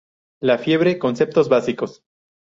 La fiebre: Conceptos básicos.